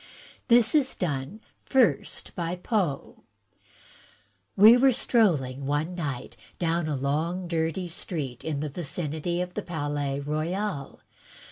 This is done first by Poe: We were strolling one night down a long dirty street, in the vicinity of the Palais Royal.